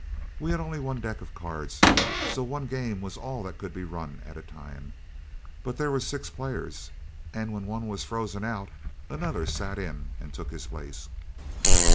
We had only one deck of cards, so one game was all that could be run at a time, but there were six players, and when one was frozen out another sat in and took his place.